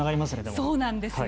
そうなんですよ。